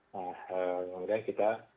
nah kemudian kita